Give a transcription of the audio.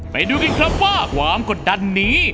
ไปดูกันครับว่าความกดดันนี้